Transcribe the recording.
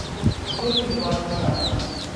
ټول کلیوال تر شا دي.